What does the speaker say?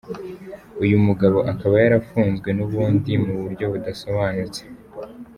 Uyu mugabo akaba yarafunzwe n’ubundi mu buryo budasobanutse.